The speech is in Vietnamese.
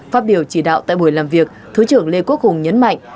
phát biểu chỉ đạo tại buổi làm việc thứ trưởng lê quốc hùng nhấn mạnh